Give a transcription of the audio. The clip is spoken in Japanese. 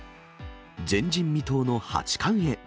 前人未到の八冠へ。